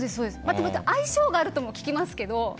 あと、相性があるとも聞きますけどね。